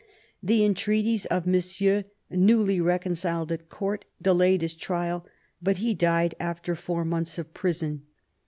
The entreaties of Monsieur, newly reconciled at Court, delayed his trial, but he died after four months of prison.